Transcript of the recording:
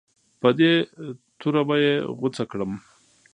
په دې توره به یې غوڅه کړم.